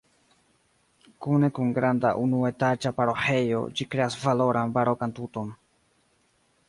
Kune kun granda unuetaĝa paroĥejo ĝi kreas valoran barokan tuton.